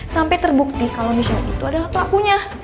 sampai terbukti kalau misalnya itu adalah pelakunya